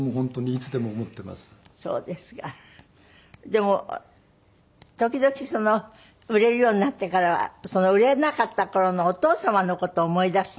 でも時々売れるようになってからは売れなかった頃のお父様の事を思い出す。